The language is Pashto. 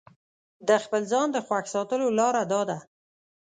د خپل ځان د خوښ ساتلو لاره داده.